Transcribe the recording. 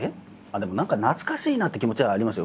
でも何か懐かしいなって気持ちはありますよ